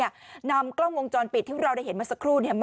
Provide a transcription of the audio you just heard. อย่างนี้เอาไว้ก่อน